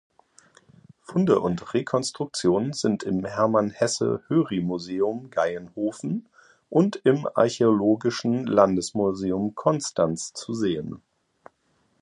Funde und Rekonstruktionen sind im "Hermann-Hesse-Höri-Museum Gaienhofen" und im "Archäologischen Landesmuseum Konstanz" zu sehen.